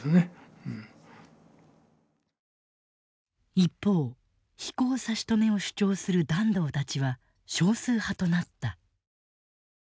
一方飛行差し止めを主張する團藤たちは少数派となった。